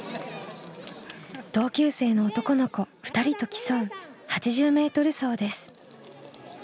同級生の男の子２人と競う８０ｍ走です。